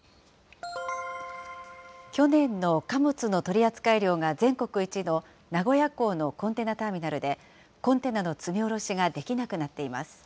去年の貨物の取り扱い量が全国一の名古屋港のコンテナターミナルで、コンテナの積み降ろしができなくなっています。